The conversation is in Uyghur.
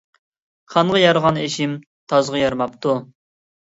خانغا يارىغان ئىشىم تازغا يارىماپتۇ